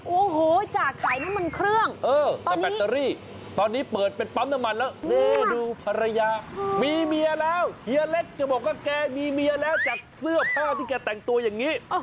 โอ้โหจากสายน้ำมันเครื่องเออแต่แบตเตอรี่ตอนนี้เปิดเป็นปั๊มน้ำมันแล้วนี่ดูภรรยามีเมียแล้วเฮียเล็กจะบอกว่าแกมีเมียแล้วจากเสื้อผ้าที่แกแต่งตัวอย่างนี้